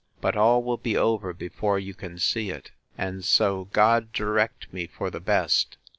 —But all will be over before you can see it; and so God direct me for the best!